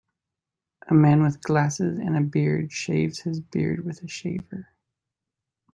A man with glasses and a beard shaves his beard with a shaver.